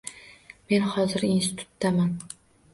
Men hozir institutdaman.